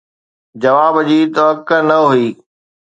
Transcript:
جواب جي توقع نه هئي.